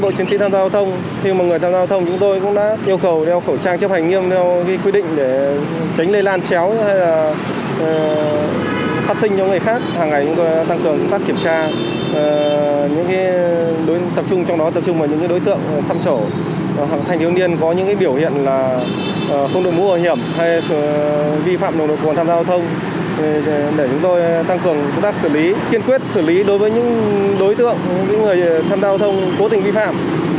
để cho người tham gia giao thông những người vi phạm